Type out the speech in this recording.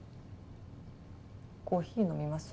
コーヒー飲みます？